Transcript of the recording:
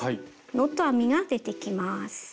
ノット編みが出てきます。